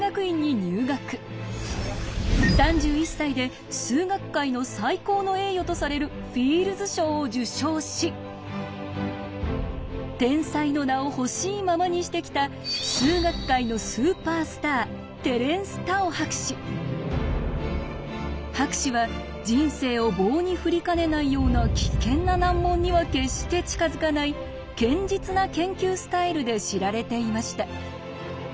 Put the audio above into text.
３１歳で数学界の最高の栄誉とされるフィールズ賞を受賞し天才の名をほしいままにしてきた数学界のスーパースター博士は人生を棒に振りかねないような危険な難問には決して近づかない堅実な研究スタイルで知られていました。